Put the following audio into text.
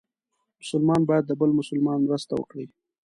مسلمان باید د بل مسلمان مرسته وکړي.